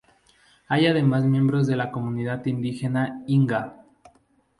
Hay además miembros de la comunidad indígena Inga.